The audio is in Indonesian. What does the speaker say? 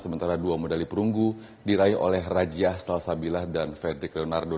sementara dua medali perunggu diraih oleh raja salsabilah dan fedrik leonardo